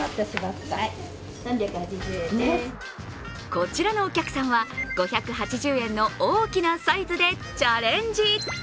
こちらのお客さんは、５８０円の大きなサイズでチャレンジ